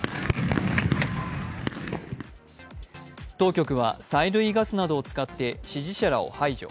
当局は催涙ガスなどを使って支持者らを排除。